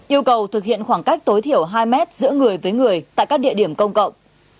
yêu cầu thực hiện khoảng cách tối thiểu hai mét giữa người với người tại các địa điểm công cộng